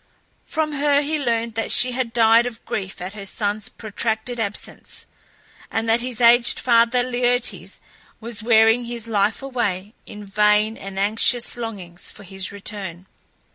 From her he learned that she had died of grief at her son's protracted absence, and that his aged father Laertes was wearing his life away in vain and anxious longings for his return.